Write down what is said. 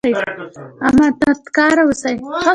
امانت کاره اوسئ